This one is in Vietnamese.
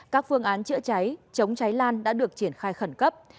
các phương án chữa cháy chống cháy lan đã được triển khai khẩn cấp